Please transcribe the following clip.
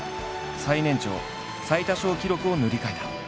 最年長最多勝記録を塗り替えた。